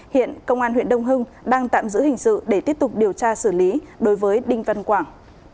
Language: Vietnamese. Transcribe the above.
hiện công an huyện đông hưng đang tạm giữ hình sự để tiếp tục điều tra xử lý đối với đinh văn quảng